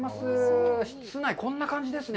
室内、こんな感じですね。